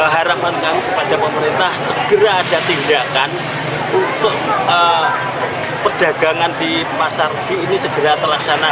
harapan kami kepada pemerintah segera ada tindakan untuk perdagangan di pasar rugi ini segera terlaksana